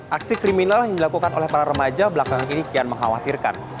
aksi kriminal yang dilakukan oleh para remaja belakangan ini kian mengkhawatirkan